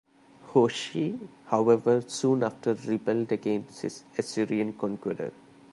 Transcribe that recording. Hoshea, however, soon after rebelled against his Assyrian conqueror.